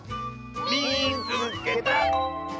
「みいつけた！」。